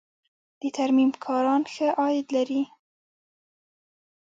د ترمیم کاران ښه عاید لري